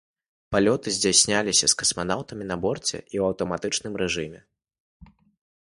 Палёты здзяйсняліся з касманаўтамі на борце і ў аўтаматычным рэжыме.